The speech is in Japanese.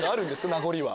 名残は。